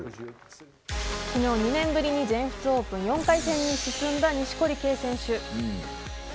昨日、２年ぶりに全仏オープン４回戦に進んだ錦織圭選手。